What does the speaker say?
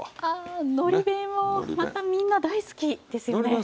あのり弁もまたみんな大好きですよね。